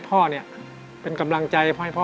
ยืนจันทร์คำเดิมครับเก็บให้พ่อเป็นกำลังใจให้พ่อ